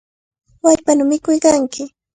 ¡Wallpanaw mikuykanki!